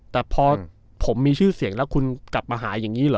แต่พอผมมีชื่อเสียงแล้วคุณกลับมาหาอย่างนี้เหรอ